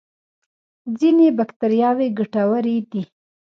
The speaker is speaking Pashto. ځینې بکتریاوې ګټورې دي